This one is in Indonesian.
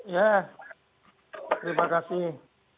ya terima kasih